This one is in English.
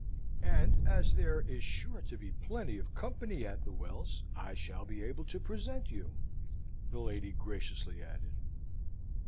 "And as there is sure to be plenty of company at the Wells, I shall be able to present you," the lady graciously added.